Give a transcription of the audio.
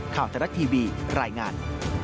ข่าวทะลักทีบีรายงาน